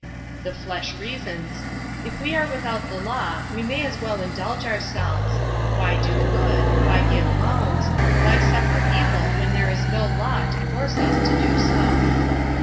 The flesh reasons: "If we are without the law, we may as well indulge ourselves. Why do good, why give alms, why suffer evil when there is no law to force us to do so?"